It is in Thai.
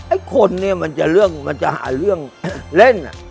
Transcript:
ไอ้คนนี้มันจะเหลื่องเล่น